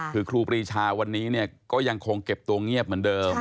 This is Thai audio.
คือครูปรีชาวันนี้เนี่ยก็ยังคงเก็บตัวเงียบเหมือนเดิม